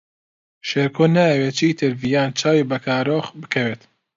شێرکۆ نایەوێت چیتر ڤیان چاوی بە کارۆخ بکەوێت.